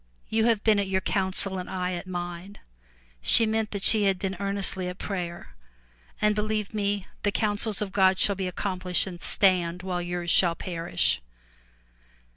You have been at your council and I at mine!*' — she meant that she had been earn estly at prayer, — "and believe me, the counsels of God shall be accomplished and stand while yours shall perish!''